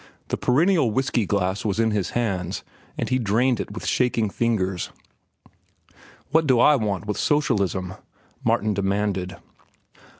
The perennial whiskey glass was in his hands, and he drained it with shaking fingers. "What do I want with socialism?" Martin demanded.